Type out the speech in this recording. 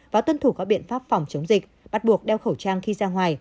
và tuân thủ các biện pháp phòng chống dịch bắt buộc đeo khẩu trang khi ra ngoài